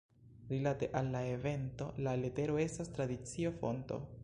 Rilate al la evento, la letero estas tradicio-fonto.